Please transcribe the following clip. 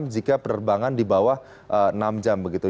jika penerbangan di bawah enam jam begitu